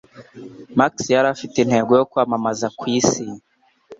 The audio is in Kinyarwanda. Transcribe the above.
Max yari afite intego yo kwamamaza ku isi